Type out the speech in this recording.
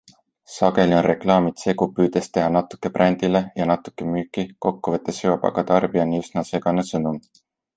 Sageli on reklaamid segu püüdest teha natuke brändile ja natuke müüki, kokkuvõttes jõuab aga tarbijani üsna segane sõnum.